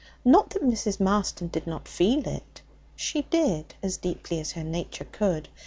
Not that Mrs. Marston did not feel it. She did, as deeply as her nature could.